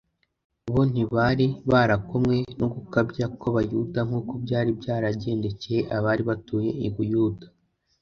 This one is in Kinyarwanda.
bo ntibari barokamwe no gukabya kw'abayuda nkuko byari byaragendekcye abari batuye i Buyuda,